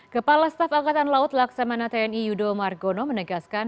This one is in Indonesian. kepala staf angkatan laut laksamana tni yudo margono menegaskan